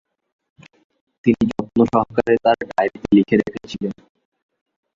তিনি যত্নসহকারে তার ডায়েরিতে লিখে রেখেছিলেন।